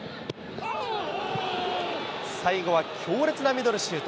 最後は強烈なミドルシュート。